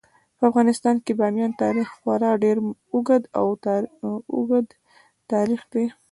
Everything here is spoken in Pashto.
په افغانستان کې د بامیان تاریخ خورا ډیر اوږد تاریخ دی.